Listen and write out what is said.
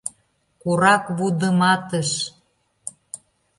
— корак вудыматыш.